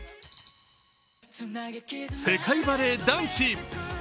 世界バレー男子。